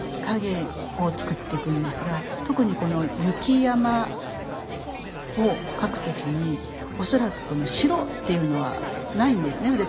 影を作っていくんですが特にこの雪山を描く時に恐らくこの白っていうのはないんですね